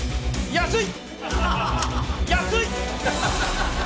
安い！